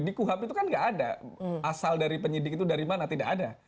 di kuhap itu kan tidak ada asal dari penyidik itu dari mana tidak ada